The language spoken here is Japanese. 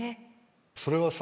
それはさ